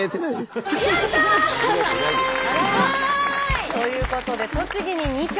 わい！ということで栃木に２票！